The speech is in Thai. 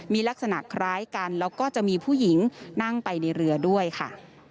มีลักษณะคล้ายกันแล้วก็จะมีผู้หญิงนั่งไปในเรือด้วยค่ะ